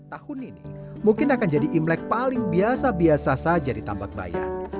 tahun ini mungkin akan jadi imlek paling biasa biasa saja ditambah bayar